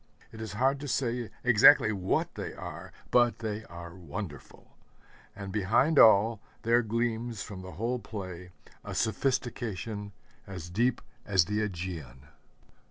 It is hard to say exactly what they are, but they are wonderful. And behind all, there gleams from the whole play a sophistication as deep as the Ægean.